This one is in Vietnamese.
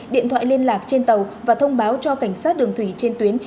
điện thoại liên lạc trên tàu và thông báo cho cảnh sát đường thủy trên tuyến